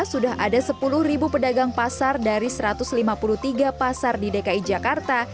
sudah ada sepuluh pedagang pasar dari satu ratus lima puluh tiga pasar di dki jakarta